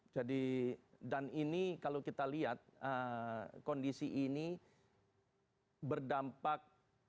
jadi dan ini kalau kita lihat kondisi ini berdampak